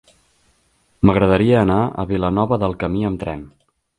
M'agradaria anar a Vilanova del Camí amb tren.